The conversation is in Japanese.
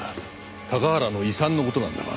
高原の遺産の事なんだが。